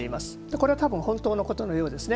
これは多分本当のことのようですね。